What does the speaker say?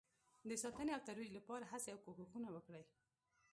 د ساتنې او ترویج لپاره هڅې او کوښښونه وکړئ